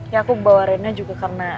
ya aku bawa remnya juga karena